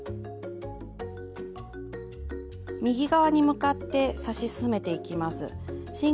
右側に向かって刺し進めていきます。